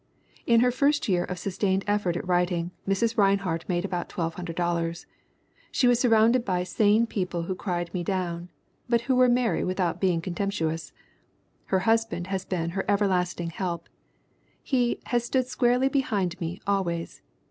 In her first year of sustained effort at writing, Mrs. Rinehart made about $1,200. She was surrounded by "sane people who cried me down," but who were merry without being contemptuous. Her husband has been her everlasting help. He "has stood squarely be hind me, always.